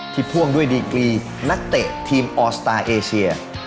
พ่วงด้วยดีกรีนักเตะทีมออสตาร์เอเชีย